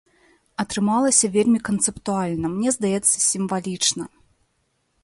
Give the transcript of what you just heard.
Атрымалася вельмі канцэптуальна, мне здаецца, сімвалічна.